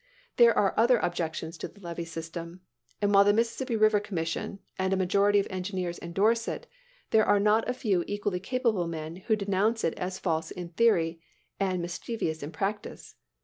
There are other objections to the levee system; and while the Mississippi River Commission, and a majority of engineers endorse it, there are not a few equally capable men who denounce it as false in theory, and mischievous in practice.